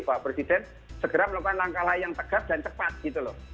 pak presiden segera melakukan langkah lain yang tegas dan cepat gitu loh